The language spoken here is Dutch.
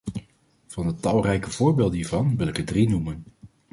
Van de talrijke voorbeelden hiervan wil ik er drie noemen.